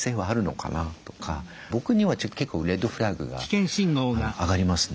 僕には結構レッドフラッグが上がりますね。